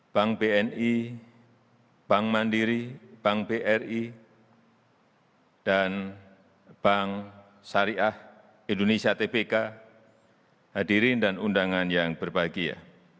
bank bni bank mandiri bank bri dan bank syariah indonesia tpk hadirin dan undangan yang berbahagia